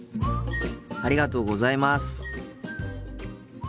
ありがとうございます。